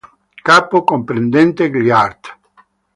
Capo comprendente gli artt.